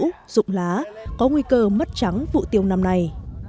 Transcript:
nguồn nước ngầm có nguy cơ mất trắng vụ tiêu năm nay